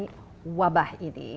untuk menangani wabah ini